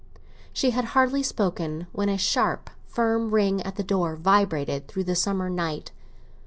She had hardly spoken when a sharp, firm ring at the door vibrated through the summer night.